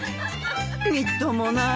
みっともない。